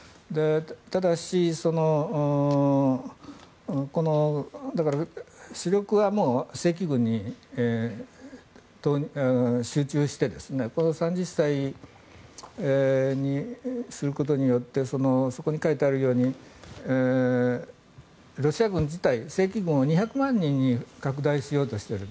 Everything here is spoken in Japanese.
ただし、主力はもう正規軍に集中して３０歳にすることによってそこに書いてあるようにロシア軍自体、正規軍を２００万人に拡大しようとしている。